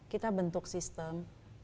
kita bentuk sistem